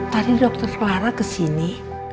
tadi dokter clara kesini